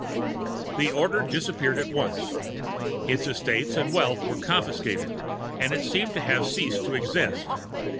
[The Order disappeared at once. Its estates and wealth were confiscated, and it seemed to have ceased to exist.